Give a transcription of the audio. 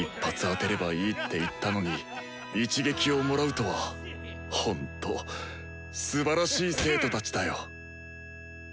当てればいいって言ったのに「一撃」をもらうとはほんとすばらしい生徒たちだよ！